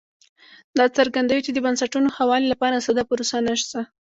دا څرګندوي چې د بنسټونو ښه والي لپاره ساده پروسه نشته